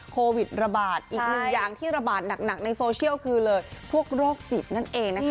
โควิดระบาดอีกหนึ่งอย่างที่ระบาดหนักในโซเชียลคือเลยพวกโรคจิตนั่นเองนะคะ